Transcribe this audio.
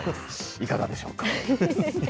いかがでしょうか。